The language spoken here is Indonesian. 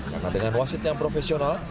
karena dengan wasid yang profesional